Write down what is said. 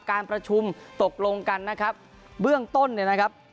การประชุมตกลงกันนะครับเบื้องต้นเนี่ยนะครับ